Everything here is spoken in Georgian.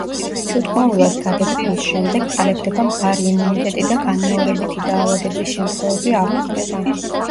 ჩუტყვავილას გადატანის შემდეგ ყალიბდება მყარი იმუნიტეტი და განმეორებითი დაავადების შემთხვევები არ გვხვდება.